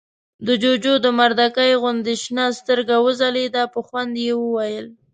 د جُوجُو د مردکۍ غوندې شنه سترګه وځلېده، په خوند يې وويل: